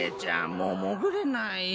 もうもぐれない。